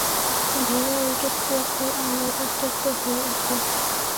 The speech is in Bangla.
ভেজা উইকেট প্রখর আলোয় উত্তপ্ত হয়ে উঠে।